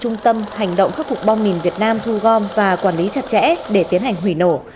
trung tâm hành động khắc phục bom mìn việt nam thu gom và quản lý chặt chẽ để tiến hành hủy nổ